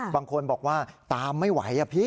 บางคนบอกว่าตามไม่ไหวอะพี่